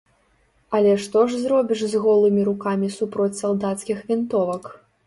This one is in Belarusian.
Але што ж зробіш з голымі рукамі супроць салдацкіх вінтовак?